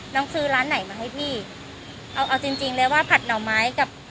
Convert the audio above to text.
ซื้อร้านไหนมาให้พี่เอาเอาจริงจริงเลยว่าผัดหน่อไม้กับ